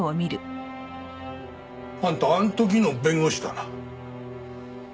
あんたあの時の弁護士だな？